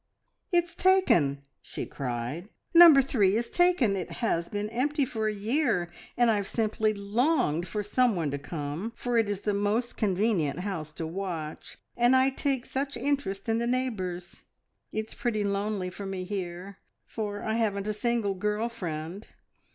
"It's taken!" she cried "Number Three is taken! It has been empty for a year, and I have simply longed for someone to come, for it is the most convenient house to watch, and I take such interest in the neighbours. It's pretty lonely for me here, for I haven't a single girl friend.